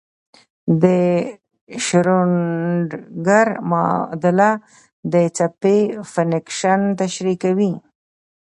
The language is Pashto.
د شروډنګر معادله د څپې فنکشن تشریح کوي.